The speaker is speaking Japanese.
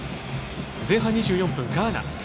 前半２４分、ガーナ。